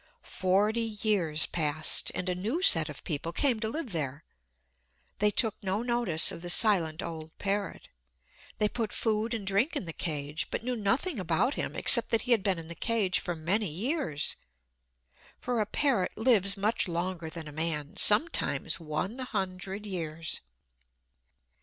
Forty years passed, and a new set of people came to live there. They took no notice of the silent old parrot. They put food and drink in the cage, but knew nothing about him except that he had been in the cage for many years. For a parrot lives much longer than a man sometimes one hundred years.